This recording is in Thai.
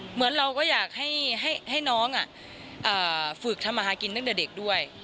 เหมือนเราก็อยากให้น้องฝึกทำมาหากินตั้งแต่เด็กด้วย